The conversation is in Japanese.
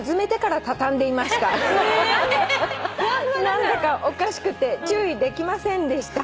「何だかおかしくて注意できませんでした」